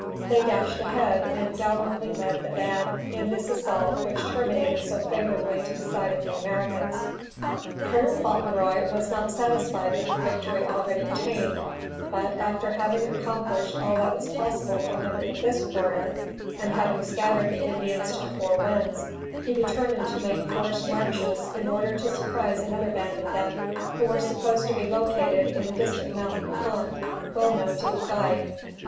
They dashed ahead, and gallantly led the van in this assault which terminated so favorably to the side of the Americans. [Footnote 11: D Company, 2d Regiment U. S. Artillery.] Colonel Fauntleroy was not satisfied with the victory already obtained; but, after having accomplished all that was possible for him in this quarter, and having scattered the Indians to the four winds, he determined to make forced marches in order to surprise another band of them who were supposed to be located in a distant mountain haunt well known to his guide.